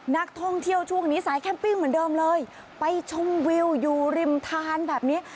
นักท่องเที่ยวช่วงนี้สายแคมปิ้งเหมือนเดิมเลยไปชมวิวอยู่ริมทานแบบนี้